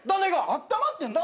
あったまってんの？